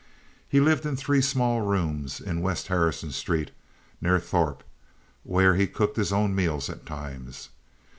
He lived in three small rooms in West Harrison Street, near Throup, where he cooked his own meals at times.